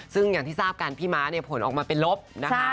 ซึ่งอย่างที่ทราบกันพี่ม้าเนี่ยผลออกมาเป็นลบนะคะ